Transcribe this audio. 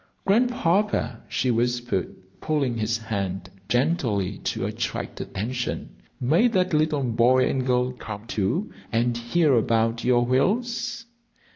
"Grandpapa," she whispered, pulling his hand gently to attract attention, "may that little boy and girl come, too, and hear about your whales?"